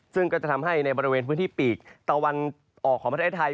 ซึ่งก็จะทำให้ในบริเวณพื้นที่ปีกตะวันออกของประเทศไทย